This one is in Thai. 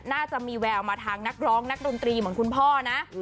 น่าจะมีแววมาทางนักร้องนักดนตรีเหมือนคุณพ่อนะ